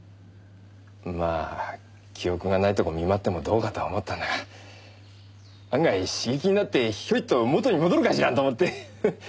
まあ記憶がないとこ見舞ってもどうかとは思ったんだが案外刺激になってヒョイッと元に戻るかしらんと思って。